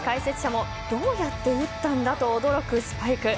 現地解説者もどうやって打ったんだと驚くスパイク。